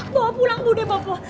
bawa pulang budi bapak